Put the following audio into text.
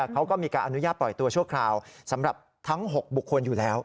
เขาก็มีการอนุญาตปล่อยตัวชั่วคราวสำหรับทั้ง๖บุคคลอยู่แล้ว